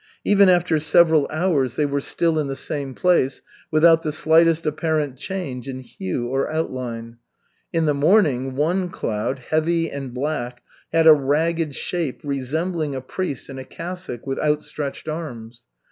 Even after several hours they were still in the same place, without the slightest apparent change in hue or outline. In the morning, one cloud, heavy and black, had a ragged shape resembling a priest in a cassock with outstretched arms.